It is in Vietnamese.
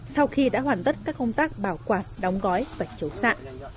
sau khi đã hoàn tất các công tác bảo quạt đóng gói và chấu sạ